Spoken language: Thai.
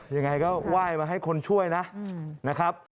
ยังไงก็ไหว้มาให้คนช่วยนะนะครับ